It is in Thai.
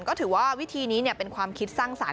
ก็ถือว่าวิธีนี้เป็นความคิดสร้างสรรค